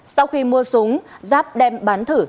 sau khi mua súng giáp đem bán thử